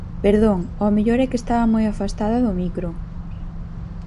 Perdón, ao mellor é que estaba moi afastada do micro.